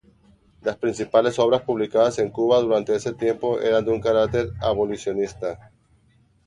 Las principales obras publicadas en Cuba durante ese tiempo eran de un carácter abolicionista.